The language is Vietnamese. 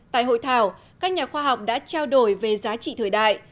tại hội thảo các nhà khoa học đã trao đổi về giá trị thời đại